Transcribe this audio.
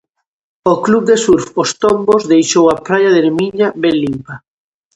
O club de surf Os Tombos deixou a praia de Nemiña ben limpa.